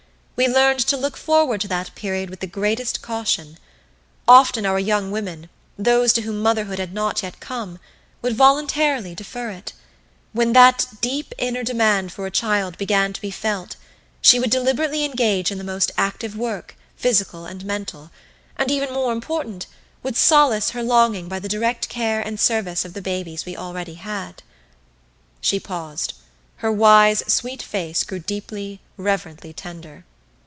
We learned to look forward to that period with the greatest caution. Often our young women, those to whom motherhood had not yet come, would voluntarily defer it. When that deep inner demand for a child began to be felt she would deliberately engage in the most active work, physical and mental; and even more important, would solace her longing by the direct care and service of the babies we already had." She paused. Her wise sweet face grew deeply, reverently tender.